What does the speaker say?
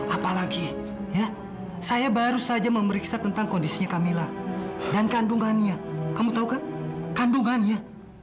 apalagi ya saya baru saja memeriksa tentang kondisinya camilla dan kandungannya kamu tahu kan kandungannya